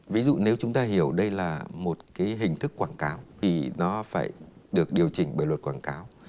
ví dụ nếu chúng ta hiểu đây là một cái hình thức quảng cáo thì nó phải được điều chỉnh bởi luật quảng cáo